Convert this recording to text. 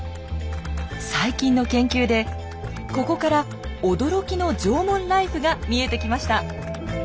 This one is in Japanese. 最近の研究でここから驚きの縄文ライフが見えてきました。